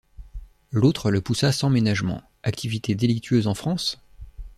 L’autre le poussa sans ménagement: activités délictueuses en France?